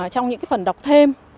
trong những cái phần đọc thêm